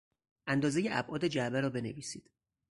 اندازهی ابعاد جعبه را بنویسید.